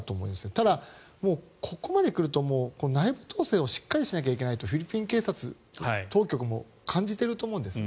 ただ、ここまで来ると内部統制をしっかりしなきゃいけないとフィリピン警察当局も感じていると思うんですね。